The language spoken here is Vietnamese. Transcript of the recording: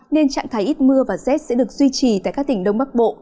nên trạng thái ít mưa và rét sẽ được duy trì tại các tỉnh đông bắc bộ